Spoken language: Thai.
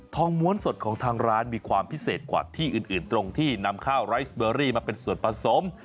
ม้วนสดของทางร้านมีความพิเศษกว่าที่อื่นตรงที่นำข้าวไร้สเบอรี่มาเป็นส่วนผสม